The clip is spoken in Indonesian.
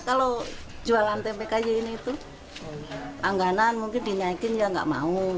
kalau jualan tempe kayak gini itu angganan mungkin dinyakin ya nggak mau